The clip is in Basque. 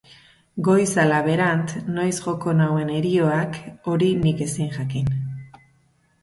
Goiz ala berant noiz joko nauen herioak, hori nik ezin jakin.